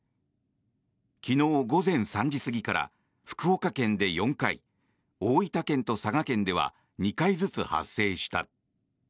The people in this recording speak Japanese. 昨日午前３時過ぎから福岡県で４回大分県と佐賀県では２回ずつ発生した。